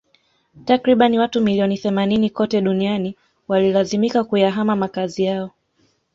Takribani watu milioni themanini kote duniani walilazimika kuyahama makazi yao